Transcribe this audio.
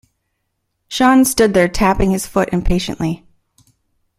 Sean stood there tapping his foot impatiently.